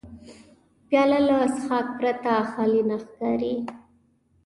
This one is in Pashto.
پیاله له څښاک پرته خالي نه ښکاري.